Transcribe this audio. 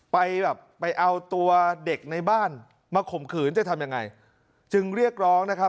ไปแบบไปเอาตัวเด็กในบ้านมาข่มขืนจะทำยังไงจึงเรียกร้องนะครับ